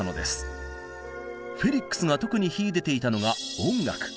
フェリックスが特に秀でていたのが音楽。